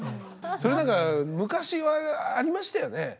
それだから昔はありましたよね。